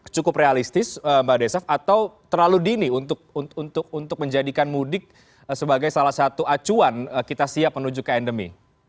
cukup realistis mbak desaf atau terlalu dini untuk menjadikan mudik sebagai salah satu acuan kita siap menuju ke endemi